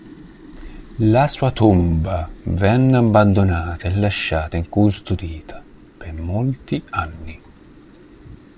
La sua tomba venne abbandonata e lasciata incustodita per molti anni.